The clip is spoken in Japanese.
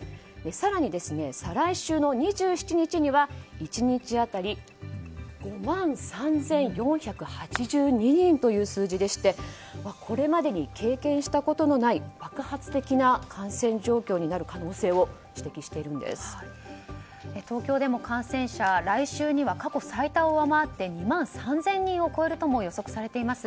更に、再来週の２７日には１日当たり５万３４８２人という数字でしてこれまでに経験したことのない爆発的な感染状況になる東京でも感染者、来週には過去最多を上回って２万３０００人を超えるとも予測されています。